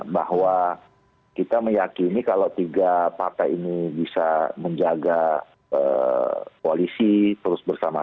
bahwa kita meyakini kalau tiga partai ini bisa menjaga koalisi terus bersama